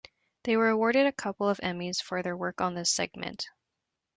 They were awarded a couple of Emmys for their work on this segment.